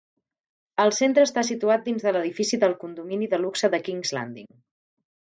El centre està situat dins de l'edifici del condomini de luxe de King's Landing.